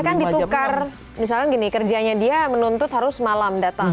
kan ditukar misalkan gini kerjanya dia menuntut harus malam datang